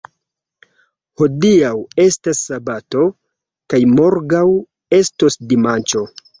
Hodiaŭ estas sabato, kaj morgaŭ estos dimanĉo.